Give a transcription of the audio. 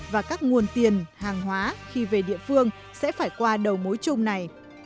và các nguồn tiền hàng hóa khi về địa phương sẽ phải qua đầu mối chung này